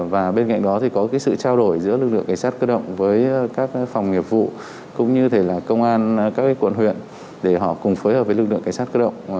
và bên cạnh đó thì có cái sự trao đổi giữa lực lượng cảnh sát cơ động với các phòng nghiệp vụ cũng như thể là công an các quận huyện để họ cùng phối hợp với lực lượng cảnh sát cơ động